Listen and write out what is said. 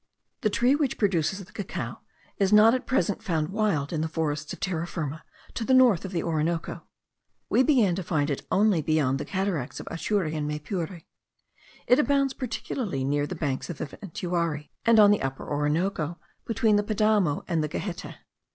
The tree which produces the cacao is not at present found wild in the forests of Terra Firma to the north of the Orinoco; we began to find it only beyond the cataracts of Ature and Maypure. It abounds particularly near the banks of the Ventuari, and on the Upper Orinoco, between the Padamo and the Gehette.